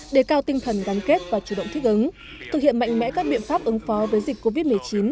đề cao tinh thần gắn kết và chủ động thích ứng thực hiện mạnh mẽ các biện pháp ứng phó với dịch covid một mươi chín